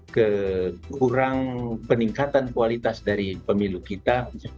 kekurang peningkatan kualitas dari pemilu kita